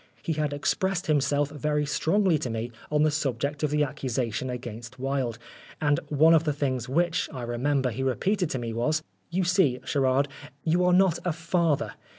He had expressed himself very strongly to me on the subject of the accusation against Wilde, and one of the things which, I remember, he repeated to me was, " You see, Sherard, you are not a father.